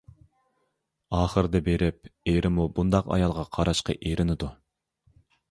ئاخىرىدا بېرىپ ئېرىمۇ بۇنداق ئايالغا قاراشقا ئېرىنىدۇ.